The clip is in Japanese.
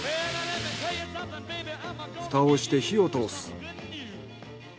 蓋をして火を通す。